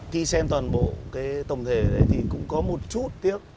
khi xem toàn bộ cái tổng thể đấy thì cũng có một chút tiếc